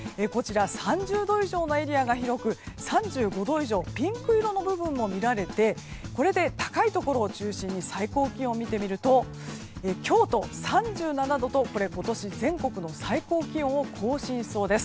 ３０度以上のエリアが広く３５度以上ピンク色の部分も見られてこれで高いところを中心に最高気温を見てみると京都３７度と今年、全国の最高気温を更新しそうです。